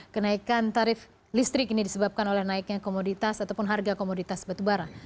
kenaikan tarif listrik ini disebabkan oleh naiknya komoditas ataupun harga komoditas batubara